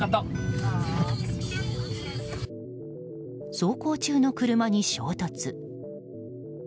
走行中の車に衝突。